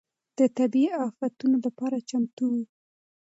د طبيعي افتونو لپاره چمتو و.